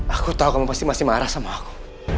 aku tahu kamu pasti masih marah sama aku